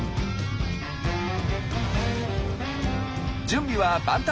準備は万端！